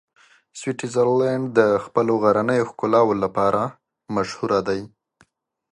سویټزرلنډ د خپلو غرنیو ښکلاوو لپاره مشهوره دی.